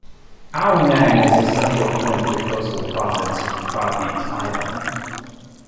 Ao Nang is a central point of the coastal province of Krabi, Thailand.